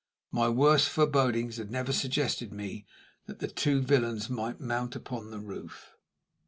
My worst forebodings had never suggested to me that the two villains might mount upon the roof.